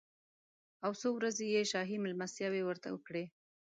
او څو ورځې یې شاهي مېلمستیاوې ورته وکړې.